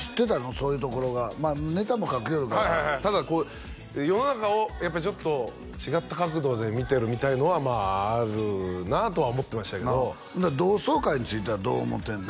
そういうところがまあネタも書きよるからただこう世の中をやっぱりちょっと違った角度で見てるみたいのはまああるなとは思ってましたけど同窓会についてはどう思ってんの？